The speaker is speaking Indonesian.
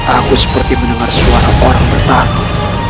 aku seperti mendengar suara orang bertamu